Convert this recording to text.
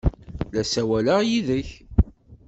La ssawaleɣ yid-k!